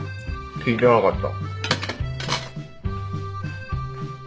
聞いてなかった。